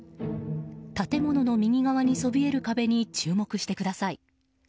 建物の右側にそびえる壁に注目してください。